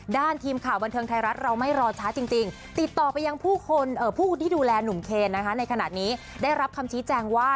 ทีมข่าวบันเทิงไทยรัฐเราไม่รอช้าจริงติดต่อไปยังผู้คนที่ดูแลหนุ่มเคนนะคะในขณะนี้ได้รับคำชี้แจงว่า